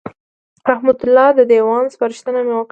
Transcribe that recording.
د رحمت الله د دېوان سپارښتنه مې وکړه.